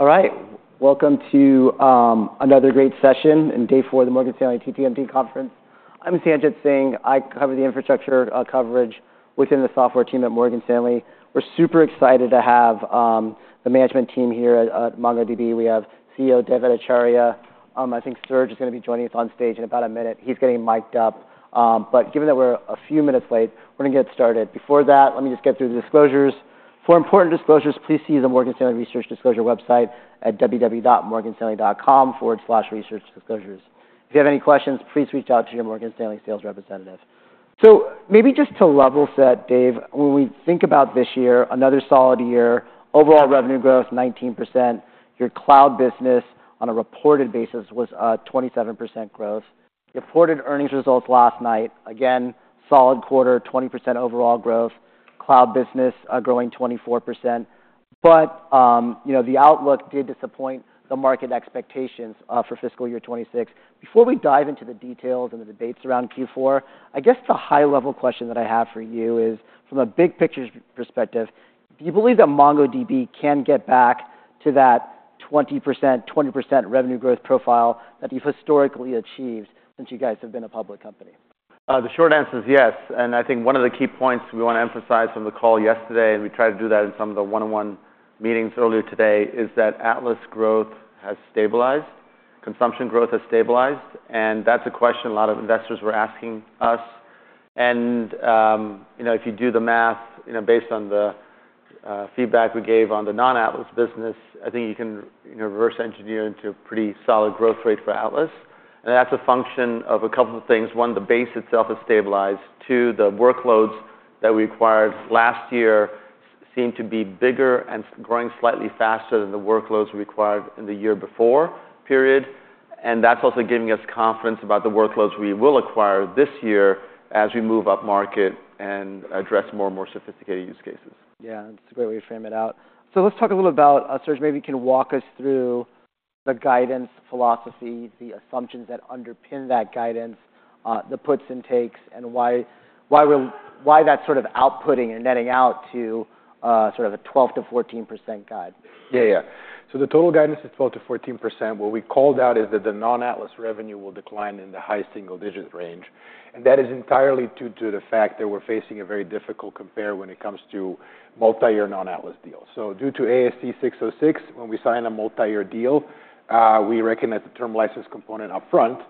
All right. Welcome to another great session in day four of the Morgan Stanley TMT conference. I'm Sanjit Singh. I cover the infrastructure coverage within the software team at Morgan Stanley. We're super excited to have the management team here at MongoDB. We have CEO Dev Ittycheria. I think Serge is gonna be joining us on stage in about a minute. He's getting mic'd up, but given that we're a few minutes late, we're gonna get started. Before that, let me just get through the disclosures. For important disclosures, please see the Morgan Stanley Research Disclosure website at www.morganstanley.com/researchdisclosures. If you have any questions, please reach out to your Morgan Stanley sales representative, so maybe just to level set, Dev, when we think about this year, another solid year, overall revenue growth 19%. Your cloud business, on a reported basis, was a 27% growth. Reported earnings results last night, again, solid quarter, 20% overall growth. Cloud business, growing 24%. But, you know, the outlook did disappoint the market expectations for fiscal year 2026. Before we dive into the details and the debates around Q4, I guess the high-level question that I have for you is, from a big-picture perspective, do you believe that MongoDB can get back to that 20%, 20% revenue growth profile that you've historically achieved since you guys have been a public company? The short answer is yes. And I think one of the key points we wanna emphasize from the call yesterday, and we tried to do that in some of the one-on-one meetings earlier today, is that Atlas growth has stabilized. Consumption growth has stabilized. And that's a question a lot of investors were asking us. And, you know, if you do the math, you know, based on the, feedback we gave on the non-Atlas business, I think you can, you know, reverse engineer into a pretty solid growth rate for Atlas. And that's a function of a couple of things. One, the base itself has stabilized. Two, the workloads that we acquired last year seem to be bigger and growing slightly faster than the workloads we acquired in the year before. Period. That's also giving us confidence about the workloads we will acquire this year as we move up market and address more and more sophisticated use cases. Yeah. That's a great way to frame it out. So let's talk a little about, Serge. Maybe you can walk us through the guidance philosophy, the assumptions that underpin that guidance, the puts and takes, and why we're that sort of outputting and netting out to, sort of a 12%-14% guide. Yeah. Yeah. So the total guidance is 12%-14%. What we called out is that the non-Atlas revenue will decline in the high single-digit range. And that is entirely due to the fact that we're facing a very difficult compare when it comes to multi-year non-Atlas deals. So due to ASC 606, when we sign a multi-year deal, we recognize the term license component upfront.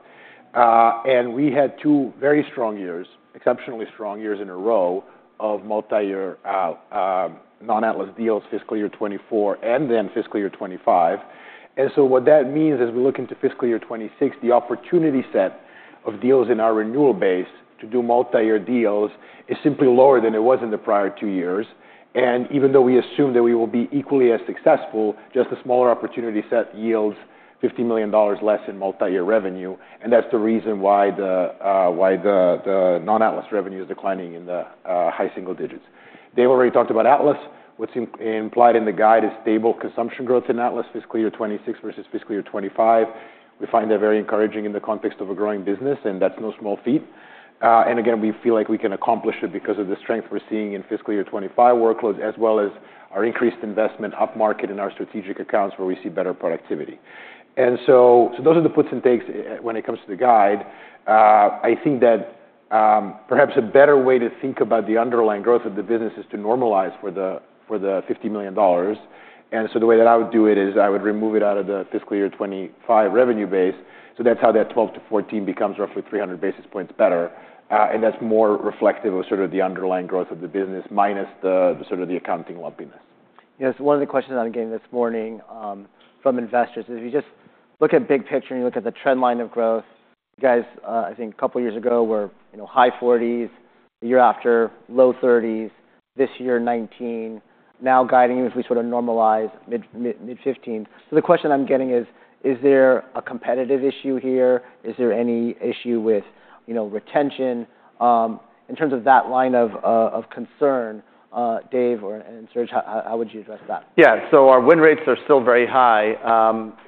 And we had two very strong years, exceptionally strong years in a row, of multi-year, non-Atlas deals, fiscal year 2024 and then fiscal year 2025. And so what that means is we look into fiscal year 2026, the opportunity set of deals in our renewal base to do multi-year deals is simply lower than it was in the prior two years. Even though we assume that we will be equally as successful, just a smaller opportunity set yields $50 million less in multi-year revenue. That's the reason why the non-Atlas revenue is declining in the high single digits%. Dev already talked about Atlas. What's implied in the guide is stable consumption growth in Atlas fiscal year 2026 versus fiscal year 2025. We find that very encouraging in the context of a growing business, and that's no small feat. Again, we feel like we can accomplish it because of the strength we're seeing in fiscal year 2025 workloads as well as our increased investment up market in our strategic accounts where we see better productivity. So those are the puts and takes when it comes to the guide. I think that, perhaps a better way to think about the underlying growth of the business is to normalize for the $50 million. And so the way that I would do it is I would remove it out of the fiscal year 2025 revenue base. So that's how that 12%-14% becomes roughly 300 basis points better. And that's more reflective of sort of the underlying growth of the business minus the sort of the accounting lumpiness. Yeah. So one of the questions I'm getting this morning from investors is if you just look at big picture and you look at the trend line of growth, you guys, I think a couple years ago were, you know, high 40s%, the year after, low 30s%, this year 19%, now guiding if we sort of normalize mid-15%. So the question I'm getting is, is there a competitive issue here? Is there any issue with, you know, retention in terms of that line of concern, Dev or, and Serge, how would you address that? Yeah. So our win rates are still very high.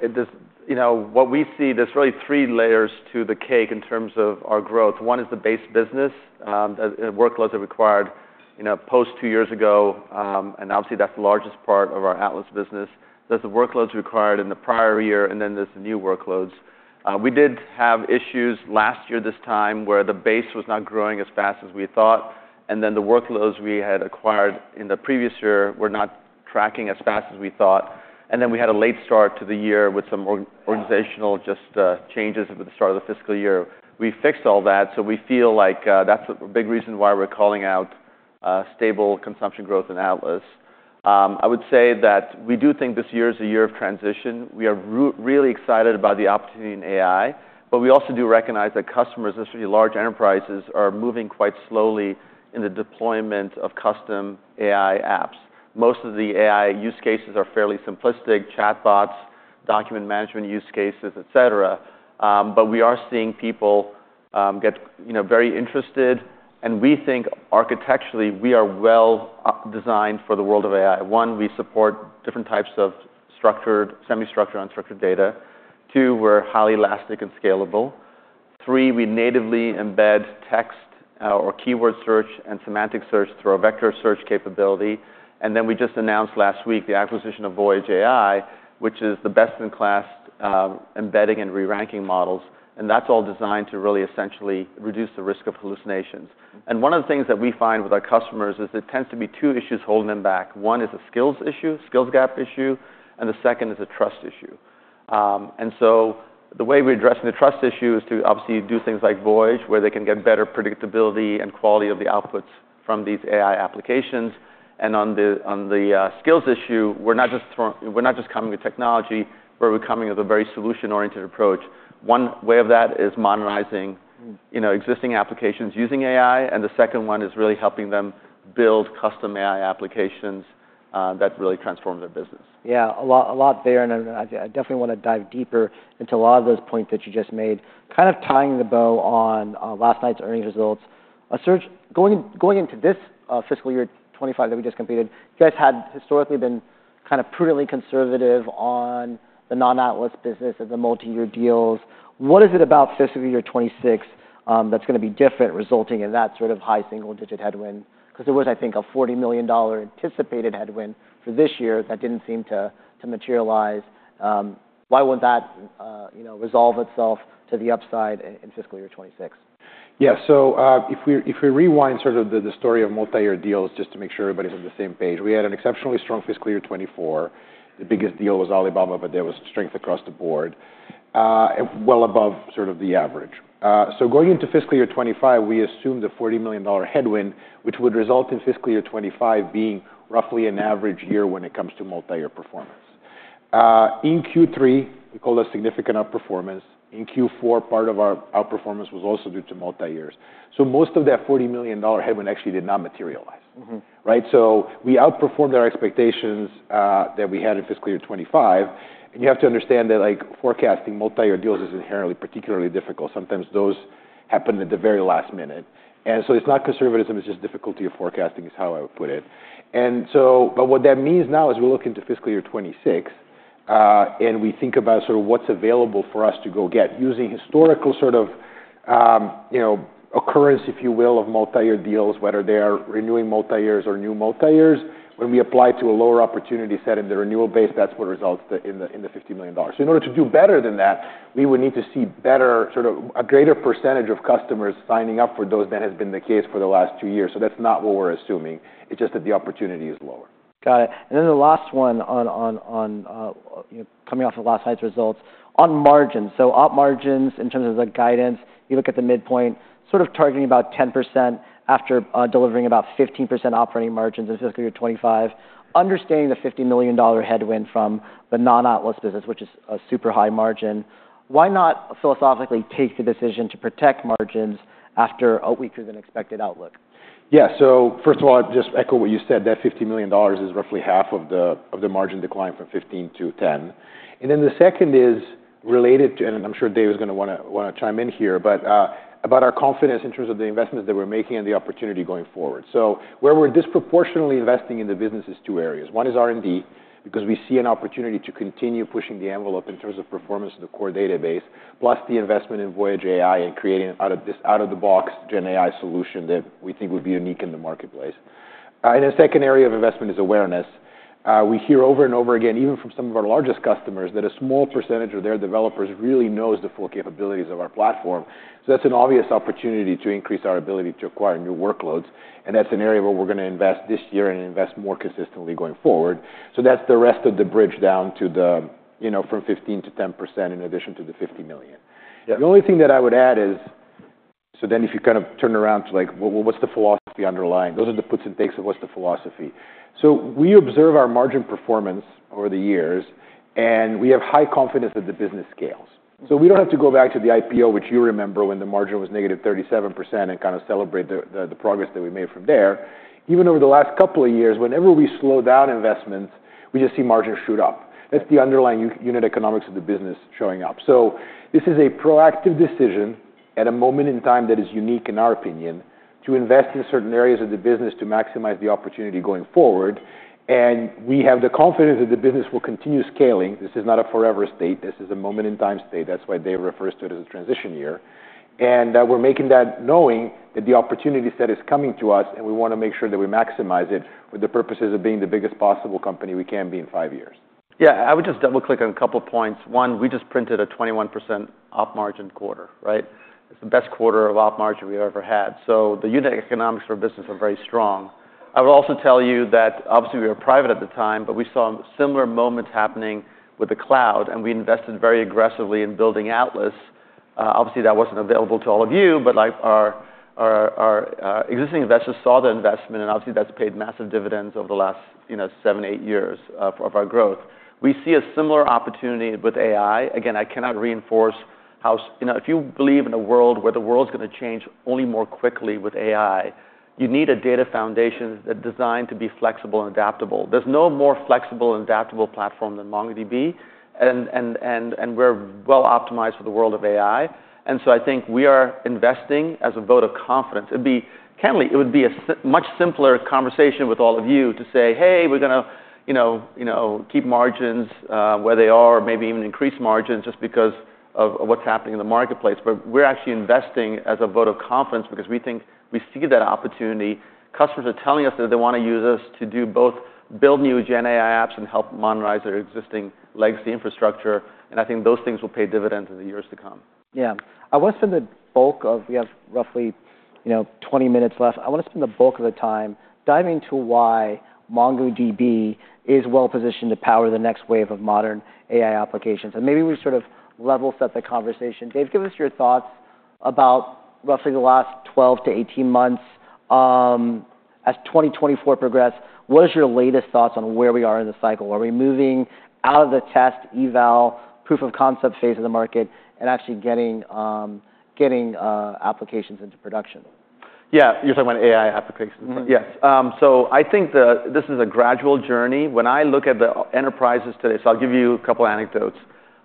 It does, you know, what we see. There's really three layers to the cake in terms of our growth. One is the base business, that workloads that are required, you know, post two years ago, and obviously that's the largest part of our Atlas business. There's the workloads required in the prior year, and then there's the new workloads. We did have issues last year this time where the base was not growing as fast as we thought, and then the workloads we had acquired in the previous year were not tracking as fast as we thought, and then we had a late start to the year with some organizational just changes with the start of the fiscal year. We fixed all that, so we feel like that's a big reason why we're calling out stable consumption growth in Atlas. I would say that we do think this year is a year of transition. We are really excited about the opportunity in AI. But we also do recognize that customers, especially large enterprises, are moving quite slowly in the deployment of custom AI apps. Most of the AI use cases are fairly simplistic: chatbots, document management use cases, etc. but we are seeing people get, you know, very interested. And we think architecturally we are well designed for the world of AI. One, we support different types of structured, semi-structured, unstructured data. Two, we're highly elastic and scalable. Three, we natively embed text, or keyword search and semantic search through our vector search capability. And then we just announced last week the acquisition of Voyage AI, which is the best-in-class embedding and re-ranking models. And that's all designed to really essentially reduce the risk of hallucinations. One of the things that we find with our customers is there tends to be two issues holding them back. One is a skills issue, skills gap issue, and the second is a trust issue. And so the way we're addressing the trust issue is to obviously do things like Voyage, where they can get better predictability and quality of the outputs from these AI applications. And on the skills issue, we're not just coming with technology, but we're coming with a very solution-oriented approach. One way of that is modernizing, you know, existing applications using AI. And the second one is really helping them build custom AI applications that really transform their business. Yeah. A lot there. And I definitely wanna dive deeper into a lot of those points that you just made, kind of tying the bow on last night's earnings results. Serge, going into this fiscal year 2025 that we just completed, you guys had historically been kind of prudently conservative on the non-Atlas business of the multi-year deals. What is it about fiscal year 2026 that's gonna be different resulting in that sort of high single-digit headwind? 'Cause there was, I think, a $40 million anticipated headwind for this year that didn't seem to materialize. Why won't that, you know, resolve itself to the upside in fiscal year 2026? Yeah. So, if we rewind sort of the story of multi-year deals just to make sure everybody's on the same page, we had an exceptionally strong fiscal year 2024. The biggest deal was Alibaba, but there was strength across the board, and well above sort of the average. So going into fiscal year 2025, we assumed a $40 million headwind, which would result in fiscal year 2025 being roughly an average year when it comes to multi-year performance. In Q3, we called that significant outperformance. In Q4, part of our outperformance was also due to multi-years. So most of that $40 million headwind actually did not materialize. Mm-hmm. Right? So we outperformed our expectations that we had in fiscal year 2025. And you have to understand that, like, forecasting multi-year deals is inherently particularly difficult. Sometimes those happen at the very last minute. And so it's not conservatism; it's just difficulty of forecasting is how I would put it. And so, but what that means now is we look into fiscal year 2026, and we think about sort of what's available for us to go get using historical sort of, you know, occurrence, if you will, of multi-year deals, whether they are renewing multi-years or new multi-years. When we apply to a lower opportunity set in the renewal base, that's what results in the $50 million. So, in order to do better than that, we would need to see better sort of a greater percentage of customers signing up for those than has been the case for the last two years. So, that's not what we're assuming. It's just that the opportunity is lower. Got it. And then the last one on you know, coming off of last night's results on margins. So up margins in terms of the guidance, you look at the midpoint, sort of targeting about 10% after delivering about 15% operating margins in fiscal year 2025, understanding the $50 million headwind from the non-Atlas business, which is a super high margin. Why not philosophically take the decision to protect margins after a weaker than expected outlook? Yeah. So first of all, I'd just echo what you said. That $50 million is roughly half of the margin decline from 15% to 10%. And then the second is related to, and I'm sure Dev is gonna wanna chime in here, but about our confidence in terms of the investments that we're making and the opportunity going forward. So where we're disproportionately investing in the business is two areas. One is R&D because we see an opportunity to continue pushing the envelope in terms of performance of the core database, plus the investment in Voyage AI and creating an out-of-the-box GenAI solution that we think would be unique in the marketplace. And then second area of investment is awareness. We hear over and over again, even from some of our largest customers, that a small percentage of their developers really knows the full capabilities of our platform. So that's an obvious opportunity to increase our ability to acquire new workloads. And that's an area where we're gonna invest this year and invest more consistently going forward. So that's the rest of the bridge down to the, you know, from 15% to 10% in addition to the $50 million. Yeah. The only thing that I would add is, so then if you kind of turn around to, like, what's the philosophy underlying? Those are the puts and takes of what's the philosophy. So we observe our margin performance over the years, and we have high confidence that the business scales. So we don't have to go back to the IPO, which you remember when the margin was negative 37% and kind of celebrate the progress that we made from there. Even over the last couple of years, whenever we slow down investments, we just see margins shoot up. That's the underlying unit economics of the business showing up. So this is a proactive decision at a moment in time that is unique in our opinion to invest in certain areas of the business to maximize the opportunity going forward. We have the confidence that the business will continue scaling. This is not a forever state. This is a moment-in-time state. That's why Dev refers to it as a transition year. We're making that knowing that the opportunity set is coming to us, and we wanna make sure that we maximize it for the purposes of being the biggest possible company we can be in five years. Yeah. I would just double-click on a couple of points. One, we just printed a 21% operating margin quarter, right? It's the best quarter of operating margin we've ever had. So the unit economics for business are very strong. I would also tell you that obviously we were private at the time, but we saw similar moments happening with the cloud, and we invested very aggressively in building Atlas. Obviously that wasn't available to all of you, but, like, our existing investors saw the investment, and obviously that's paid massive dividends over the last, you know, seven, eight years, of our growth. We see a similar opportunity with AI. Again, I cannot reinforce how, you know, if you believe in a world where the world's gonna change only more quickly with AI, you need a data foundation that's designed to be flexible and adaptable. There's no more flexible and adaptable platform than MongoDB. And we're well optimized for the world of AI. And so I think we are investing as a vote of confidence. It'd be candidly, it would be a much simpler conversation with all of you to say, "Hey, we're gonna, you know, keep margins where they are, maybe even increase margins just because of what's happening in the marketplace." But we're actually investing as a vote of confidence because we think we see that opportunity. Customers are telling us that they wanna use us to do both build new GenAI apps and help modernize their existing legacy infrastructure. And I think those things will pay dividends in the years to come. Yeah. I wanna spend the bulk of. We have roughly, you know, 20 minutes left. I wanna spend the bulk of the time diving into why MongoDB is well positioned to power the next wave of modern AI applications. And maybe we sort of level set the conversation. Dev, give us your thoughts about roughly the last 12-18 months, as 2024 progressed. What is your latest thoughts on where we are in the cycle? Are we moving out of the test eval proof of concept phase of the market and actually getting applications into production? Yeah. You're talking about AI applications? Yeah. Yes. So I think this is a gradual journey. When I look at the enterprises today, so I'll give you a couple of anecdotes.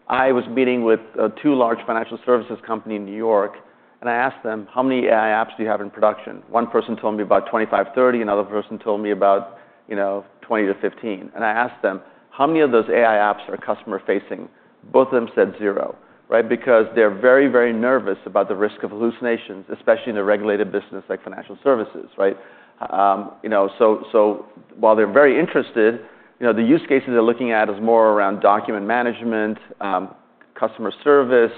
I was meeting with a too-large financial services company in New York, and I asked them, "How many AI apps do you have in production?" One person told me about 25, 30. Another person told me about, you know, 20 to 15. And I asked them, "How many of those AI apps are customer-facing?" Both of them said zero, right? Because they're very, very nervous about the risk of hallucinations, especially in a regulated business like financial services, right? You know, so while they're very interested, you know, the use cases they're looking at is more around document management, customer service.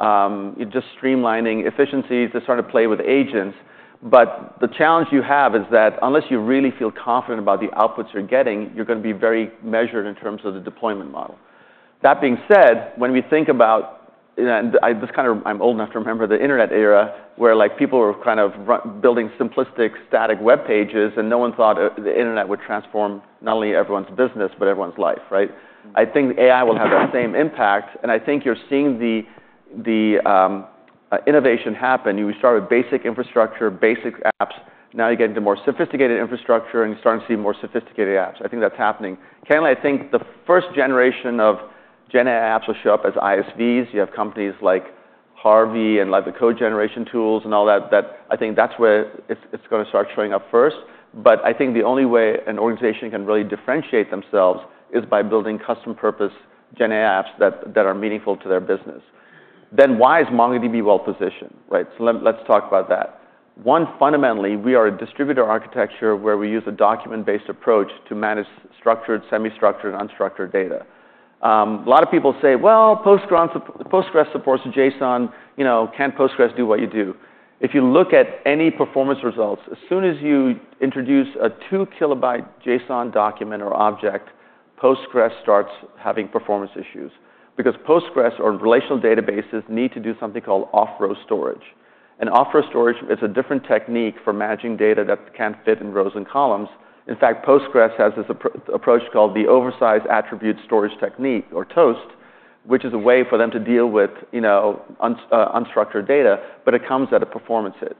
You're just streamlining efficiencies to sort of play with agents. But the challenge you have is that unless you really feel confident about the outputs you're getting, you're gonna be very measured in terms of the deployment model. That being said, when we think about, you know, and I just kind of, I'm old enough to remember the internet era where, like, people were kind of just building simplistic static web pages, and no one thought the internet would transform not only everyone's business, but everyone's life, right? I think AI will have that same impact. And I think you're seeing the innovation happen. You start with basic infrastructure, basic apps. Now you get into more sophisticated infrastructure, and you start to see more sophisticated apps. I think that's happening. Candidly, I think the first generation of GenAI apps will show up as ISVs. You have companies like Harvey and, like, the code generation tools and all that, that I think that's where it's gonna start showing up first. But I think the only way an organization can really differentiate themselves is by building custom purpose GenAI apps that are meaningful to their business. Then why is MongoDB well positioned, right? So let's talk about that. One, fundamentally, we are a distributed architecture where we use a document-based approach to manage structured, semi-structured, and unstructured data. A lot of people say, "Well, Postgres supports JSON. You know, can't Postgres do what you do?" If you look at any performance results, as soon as you introduce a two-kilobyte JSON document or object, Postgres starts having performance issues because Postgres or relational databases need to do something called off-row storage. Off-row storage is a different technique for managing data that can't fit in rows and columns. In fact, Postgres has this approach called the oversized attribute storage technique or TOAST, which is a way for them to deal with, you know, unstructured data, but it comes at a performance hit.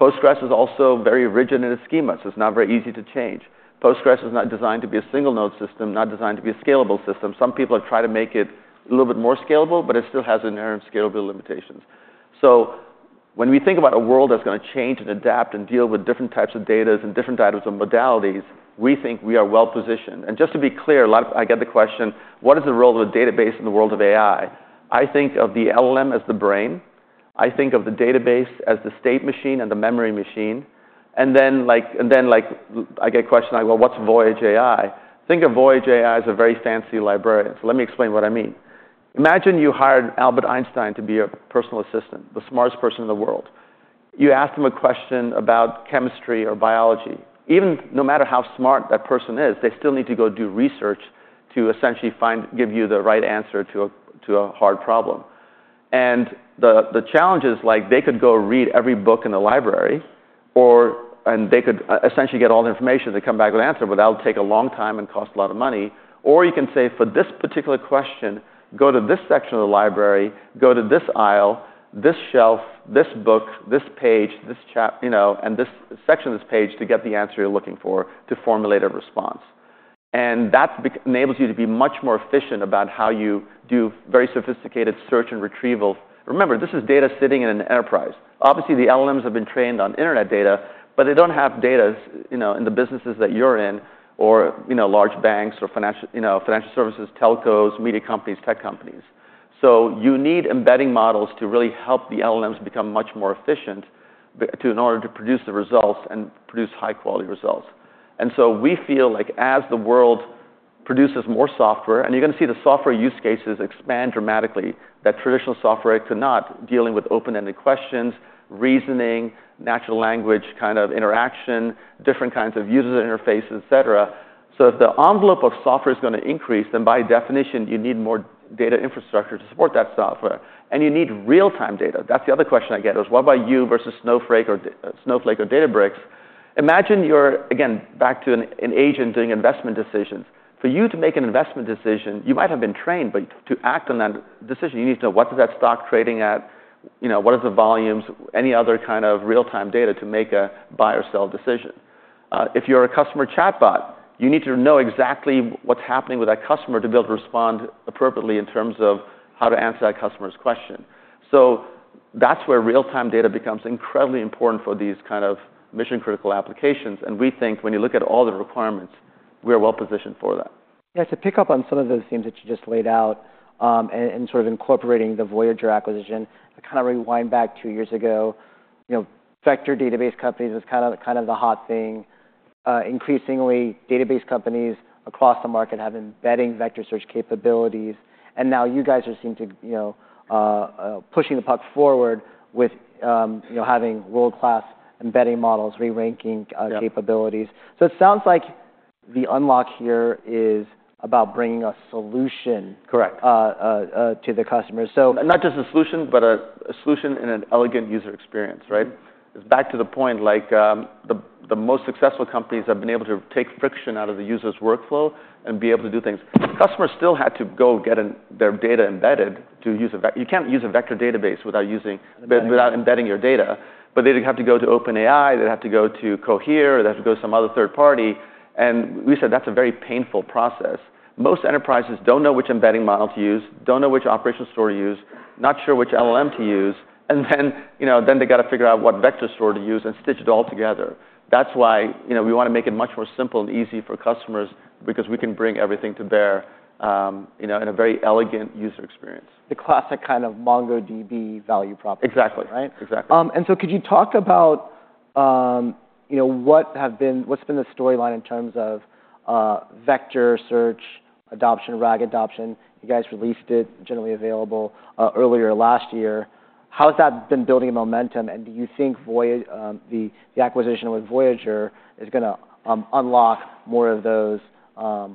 Postgres is also very rigid in its schema. So it's not very easy to change. Postgres is not designed to be a single-node system, not designed to be a scalable system. Some people have tried to make it a little bit more scalable, but it still has inherent scalability limitations. So when we think about a world that's gonna change and adapt and deal with different types of data and different types of modalities, we think we are well positioned. And just to be clear, a lot of, I get the question, what is the role of a database in the world of AI? I think of the LLM as the brain. I think of the database as the state machine and the memory machine. And then, like, I get questioned like, "Well, what's Voyage AI?" Think of Voyage AI as a very fancy librarian. So let me explain what I mean. Imagine you hired Albert Einstein to be your personal assistant, the smartest person in the world. You asked him a question about chemistry or biology. Even no matter how smart that person is, they still need to go do research to essentially find, give you the right answer to a, to a hard problem. And the challenge is, like, they could go read every book in the library or, and they could essentially get all the information and come back with an answer, but that'll take a long time and cost a lot of money. Or you can say, "For this particular question, go to this section of the library, go to this aisle, this shelf, this book, this page, this chapter, you know, and this section of this page to get the answer you're looking for to formulate a response." And that enables you to be much more efficient about how you do very sophisticated search and retrieval. Remember, this is data sitting in an enterprise. Obviously, the LLMs have been trained on internet data, but they don't have data, you know, in the businesses that you're in or, you know, large banks or financial, you know, financial services, telcos, media companies, tech companies. So you need embedding models to really help the LLMs become much more efficient to, in order to produce the results and produce high-quality results. And so we feel like as the world produces more software, and you're gonna see the software use cases expand dramatically, that traditional software could not, dealing with open-ended questions, reasoning, natural language kind of interaction, different kinds of user interfaces, et cetera. So if the envelope of software is gonna increase, then by definition, you need more data infrastructure to support that software. And you need real-time data. That's the other question I get is, what about you versus Snowflake or Databricks? Imagine you're, again, back to an agent doing investment decisions. For you to make an investment decision, you might have been trained, but to act on that decision, you need to know what does that stock trading at, you know, what are the volumes, any other kind of real-time data to make a buy or sell decision. If you're a customer chatbot, you need to know exactly what's happening with that customer to be able to respond appropriately in terms of how to answer that customer's question. So that's where real-time data becomes incredibly important for these kind of mission-critical applications. And we think when you look at all the requirements, we are well positioned for that. Yeah. To pick up on some of those themes that you just laid out, and sort of incorporating the Voyage acquisition, I kind of rewind back two years ago, you know, vector database companies was kind of the hot thing. Increasingly, database companies across the market have embedding vector search capabilities. And now you guys seem to, you know, pushing the puck forward with, you know, having world-class embedding models, re-ranking capabilities. So it sounds like the unlock here is about bringing a solution. Correct. to the customer. So not just a solution, but a solution and an elegant user experience, right? It's back to the point, like, the most successful companies have been able to take friction out of the user's workflow and be able to do things. Customers still had to go get their data embedded to use a vector. You can't use a vector database without using, without embedding your data. But they didn't have to go to OpenAI. They'd have to go to Cohere. They'd have to go to some other third party. And we said that's a very painful process. Most enterprises don't know which embedding model to use, don't know which operational store to use, not sure which LLM to use. And then, you know, then they gotta figure out what vector store to use and stitch it all together. That's why, you know, we wanna make it much more simple and easy for customers because we can bring everything to bear, you know, in a very elegant user experience. The classic kind of MongoDB value prop. Exactly. Right? Exactly. And so could you talk about, you know, what have been, what's been the storyline in terms of, vector search adoption, RAG adoption? You guys released it, generally available, earlier last year. How's that been building momentum? And do you think Voyage, the acquisition with Voyage is gonna unlock more of those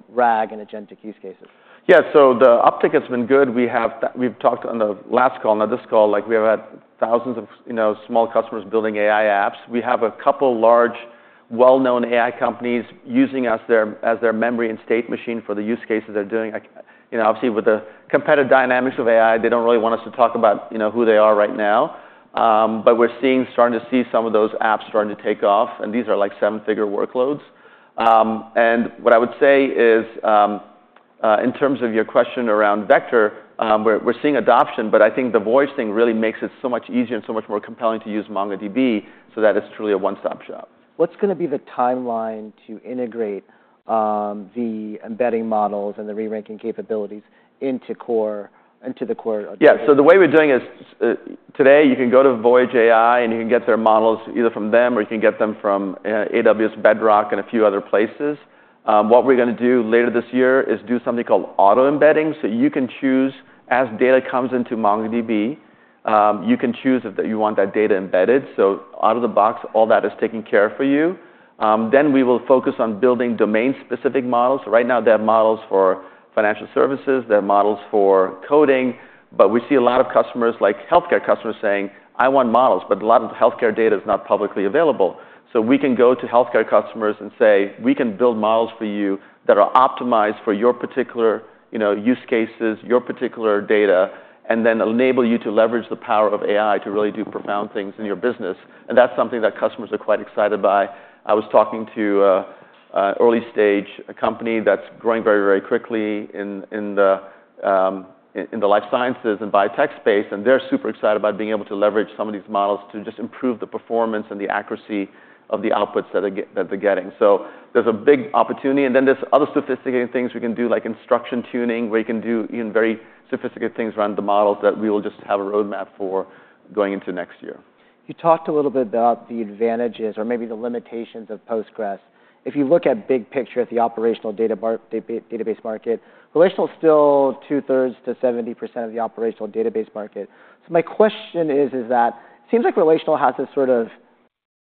RAG and agentic use cases? Yeah. So the uptick has been good. We have that. We've talked on the last call, not this call, like, we have had thousands of, you know, small customers building AI apps. We have a couple of large, well-known AI companies using us as their memory and state machine for the use cases they're doing. You know, obviously with the competitive dynamics of AI, they don't really want us to talk about, you know, who they are right now. But we're seeing, starting to see some of those apps starting to take off. And these are like seven-figure workloads. And what I would say is, in terms of your question around vector, we're, we're seeing adoption, but I think the Voyage thing really makes it so much easier and so much more compelling to use MongoDB so that it's truly a one-stop shop. What's gonna be the timeline to integrate the embedding models and the re-ranking capabilities into core, into the core? Yeah. So the way we're doing is, today you can go to Voyage AI and you can get their models either from them or you can get them from Amazon Bedrock and a few other places. What we're gonna do later this year is do something called auto-embedding. So you can choose as data comes into MongoDB, you can choose if that you want that data embedded. So out of the box, all that is taken care of for you. Then we will focus on building domain-specific models. Right now they have models for financial services. They have models for coding. But we see a lot of customers, like healthcare customers, saying, "I want models," but a lot of healthcare data is not publicly available. So we can go to healthcare customers and say, "We can build models for you that are optimized for your particular, you know, use cases, your particular data, and then enable you to leverage the power of AI to really do profound things in your business." And that's something that customers are quite excited by. I was talking to an early-stage company that's growing very, very quickly in the life sciences and biotech space. And they're super excited about being able to leverage some of these models to just improve the performance and the accuracy of the outputs that they're getting. So there's a big opportunity. And then there's other sophisticated things we can do, like instruction tuning, where you can do even very sophisticated things around the models that we will just have a roadmap for going into next year. You talked a little bit about the advantages or maybe the limitations of Postgres. If you look at the big picture at the operational database market, relational's still two-thirds to 70% of the operational database market. So my question is, is that it seems like relational has this sort of,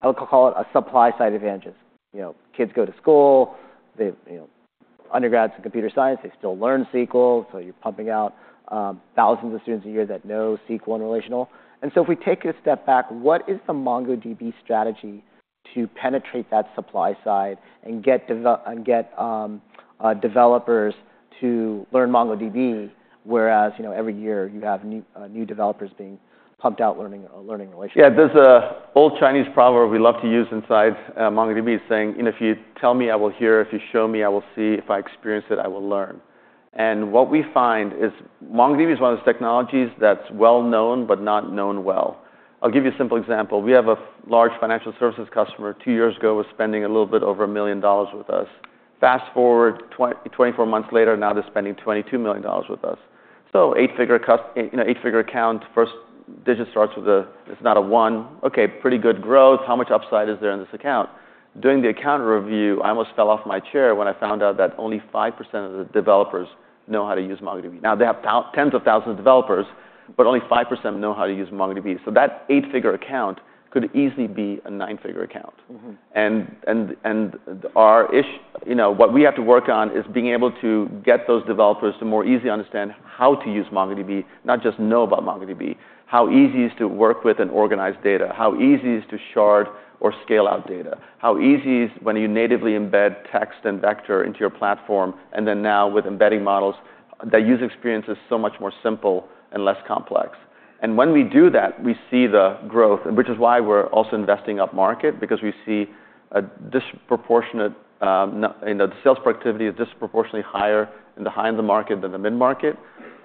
I'll call it a supply-side advantages. You know, kids go to school, they, you know, undergrads in computer science, they still learn SQL. So you're pumping out thousands of students a year that know SQL and relational. If we take a step back, what is the MongoDB strategy to penetrate that supply side and get developers to learn MongoDB, whereas, you know, every year you have new developers being pumped out learning relational? Yeah. There's an old Chinese proverb we love to use inside MongoDB saying, "You know, if you tell me, I will hear. If you show me, I will see. If I experience it, I will learn." And what we find is MongoDB is one of those technologies that's well-known but not known well. I'll give you a simple example. We have a large financial services customer two years ago was spending a little bit over $1 million with us. Fast forward 24 months later, now they're spending $22 million with us. So eight-figure cust, you know, eight-figure account, first digit starts with a, it's not a one. Okay. Pretty good growth. How much upside is there in this account? Doing the account review, I almost fell off my chair when I found out that only 5% of the developers know how to use MongoDB. Now they have tens of thousands of developers, but only 5% know how to use MongoDB. So that eight-figure account could easily be a nine-figure account. And our issue, you know, what we have to work on is being able to get those developers to more easily understand how to use MongoDB, not just know about MongoDB, how easy is to work with and organize data, how easy is to shard or scale out data, how easy is when you natively embed text and vector into your platform. And then now with embedding models, that user experience is so much more simple and less complex. And when we do that, we see the growth, which is why we're also investing up market because we see a disproportionate, you know, the sales productivity is disproportionately higher in the high end of the market than the mid-market.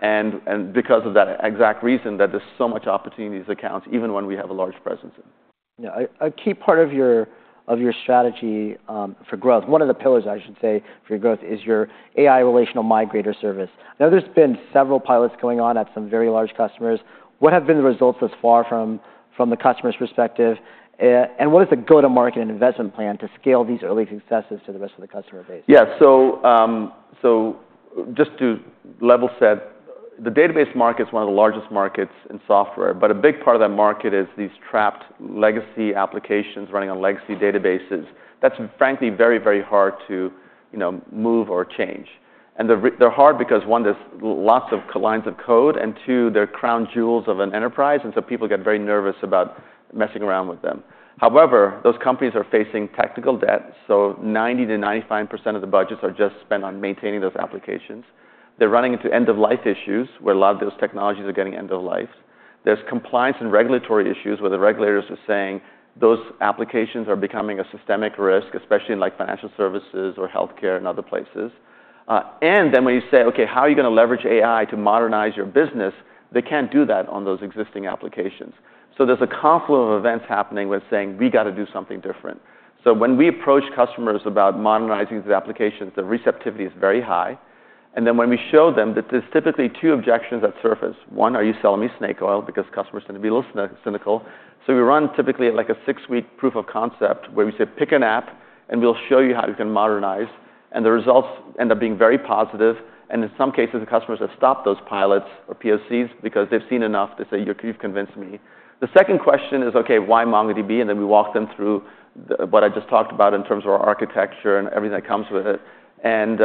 And because of that exact reason that there's so much opportunity in these accounts, even when we have a large presence in. Yeah. A key part of your strategy for growth, one of the pillars, I should say, for your growth is your AI Relational Migrator service. I know there's been several pilots going on at some very large customers. What have been the results thus far from the customer's perspective? And what is the go-to-market and investment plan to scale these early successes to the rest of the customer base? Yeah. So, so just to level set, the database market's one of the largest markets in software, but a big part of that market is these trapped legacy applications running on legacy databases. That's frankly very, very hard to, you know, move or change. And they're, they're hard because one, there's lots of lines of code, and two, they're crown jewels of an enterprise. And so people get very nervous about messing around with them. However, those companies are facing technical debt. So 90%-95% of the budgets are just spent on maintaining those applications. They're running into end-of-life issues where a lot of those technologies are getting end-of-life. There's compliance and regulatory issues where the regulators are saying those applications are becoming a systemic risk, especially in like financial services or healthcare and other places. And then when you say, "Okay, how are you gonna leverage AI to modernize your business?" They can't do that on those existing applications. So there's a confluence of events happening where it's saying, "We gotta do something different." So when we approach customers about modernizing these applications, the receptivity is very high. And then when we show them that there's typically two objections that surface. One, are you selling me snake oil? Because customers tend to be a little cynical. So we run typically like a six-week proof of concept where we say, "Pick an app and we'll show you how you can modernize." And the results end up being very positive. And in some cases, the customers have stopped those pilots or POCs because they've seen enough to say, "You've convinced me." The second question is, "Okay, why MongoDB?" And then we walk them through what I just talked about in terms of our architecture and everything that comes with it. And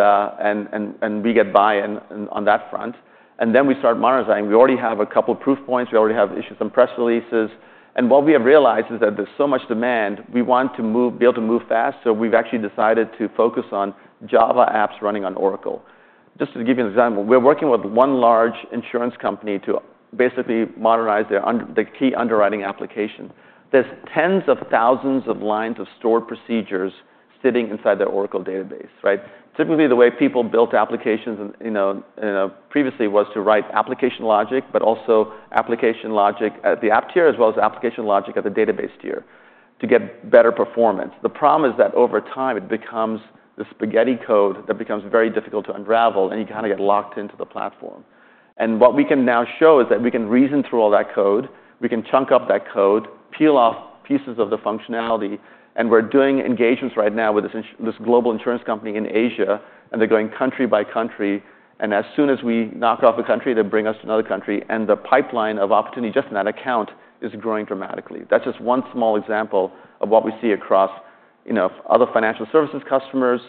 we get buy-in on that front. And then we start modernizing. We already have a couple of proof points. We already have this in press releases. And what we have realized is that there's so much demand, we want to be able to move fast. So we've actually decided to focus on Java apps running on Oracle. Just to give you an example, we're working with one large insurance company to basically modernize their key underwriting application. There's tens of thousands of lines of stored procedures sitting inside their Oracle database, right? Typically, the way people built applications and, you know, previously was to write application logic, but also application logic at the app tier as well as application logic at the database tier to get better performance. The problem is that over time it becomes the spaghetti code that becomes very difficult to unravel, and you kind of get locked into the platform. And what we can now show is that we can reason through all that code. We can chunk up that code, peel off pieces of the functionality. And we're doing engagements right now with this in this global insurance company in Asia, and they're going country by country. And as soon as we knock off a country, they bring us to another country. The pipeline of opportunity just in that account is growing dramatically. That's just one small example of what we see across, you know, other financial services customers,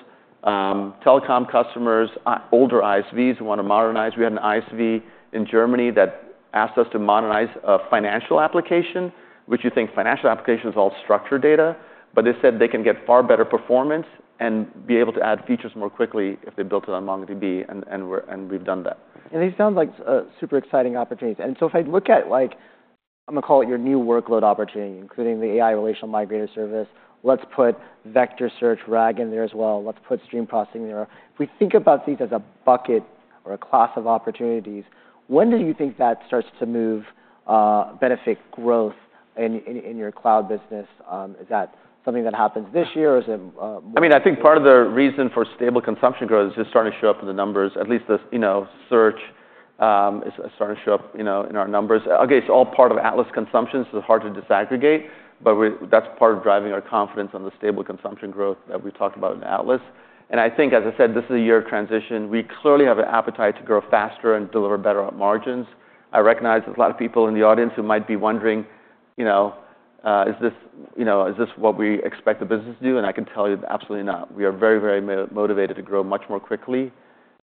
telecom customers, older ISVs who wanna modernize. We had an ISV in Germany that asked us to modernize a financial application, which, you think, a financial application is all structured data, but they said they can get far better performance and be able to add features more quickly if they built it on MongoDB. We've done that. These sound like super exciting opportunities. If I look at, like, I'm gonna call it your new workload opportunity, including the AI Relational Migrator service. Let's put vector search, RAG in there as well. Let's put stream processing there. If we think about these as a bucket or a class of opportunities, when do you think that starts to move, benefit growth in your cloud business? Is that something that happens this year or is it more? I mean, I think part of the reason for stable consumption growth is just starting to show up in the numbers. At least the, you know, search, is starting to show up, you know, in our numbers. Again, it's all part of Atlas consumption. So it's hard to disaggregate, but we, that's part of driving our confidence on the stable consumption growth that we talked about in Atlas. And I think, as I said, this is a year of transition. We clearly have an appetite to grow faster and deliver better margins. I recognize there's a lot of people in the audience who might be wondering, you know, is this, you know, is this what we expect the business to do? And I can tell you absolutely not. We are very, very motivated to grow much more quickly,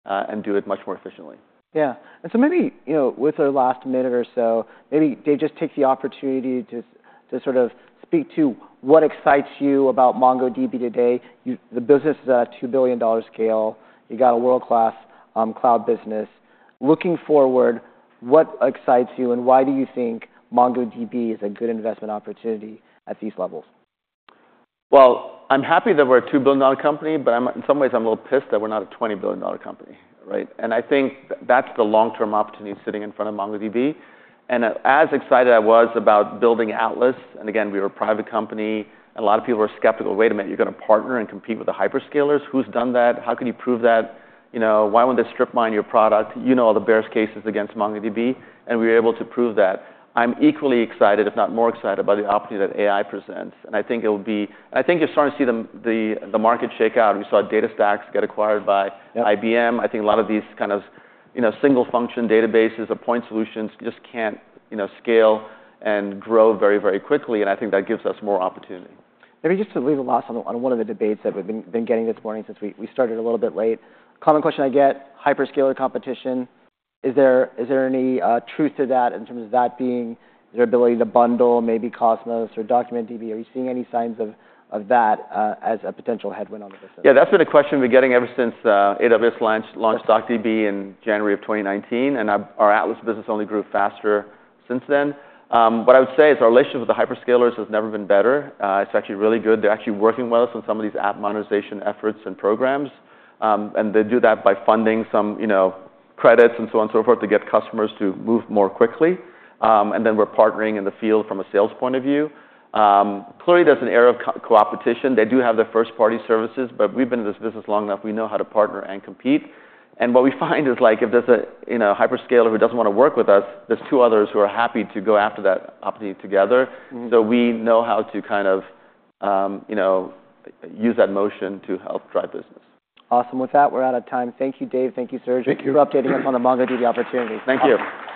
and do it much more efficiently. Yeah. And so maybe, you know, with our last minute or so, maybe Dev, just take the opportunity to, to sort of speak to what excites you about MongoDB today. You, the business is at a $2 billion scale. You got a world-class, cloud business. Looking forward, what excites you and why do you think MongoDB is a good investment opportunity at these levels? Well, I'm happy that we're a $2 billion company, but in some ways, I'm a little pissed that we're not a $20 billion company, right? I think that's the long-term opportunity sitting in front of MongoDB. As excited as I was about building Atlas, and again, we were a private company, and a lot of people were skeptical, "Wait a minute, you're gonna partner and compete with the hyperscalers? Who's done that? How can you prove that? You know, why won't they strip mine your product?" You know, all the bear cases against MongoDB, and we were able to prove that. I'm equally excited, if not more excited, by the opportunity that AI presents. I think it'll be. I think you're starting to see the market shake out. We saw DataStax get acquired by IBM. I think a lot of these kind of, you know, single-function databases or point solutions just can't, you know, scale and grow very, very quickly. I think that gives us more opportunity. Maybe just to leave last one on one of the debates that we've been getting this morning since we started a little bit late. Common question I get, hyperscaler competition. Is there any truth to that in terms of that being their ability to bundle maybe Cosmos or DocumentDB? Are you seeing any signs of that as a potential headwind on the business? Yeah. That's been a question we've been getting ever since AWS launched DocDB in January of 2019. And our Atlas business only grew faster since then. What I would say is our relationship with the hyperscalers has never been better. It's actually really good. They're actually working with us on some of these app modernization efforts and programs. And they do that by funding some, you know, credits and so on and so forth to get customers to move more quickly. And then we're partnering in the field from a sales point of view. Clearly there's an air of co-opetition. They do have their first-party services, but we've been in this business long enough. We know how to partner and compete. And what we find is, like, if there's a, you know, hyperscaler who doesn't wanna work with us, there's two others who are happy to go after that opportunity together. So we know how to kind of, you know, use that motion to help drive business. Awesome. With that, we're out of time. Thank you, Dev. Thank you, Serge. Thank you for updating us on the MongoDB opportunity. Thank you.